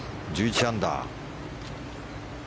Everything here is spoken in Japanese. １１アンダー。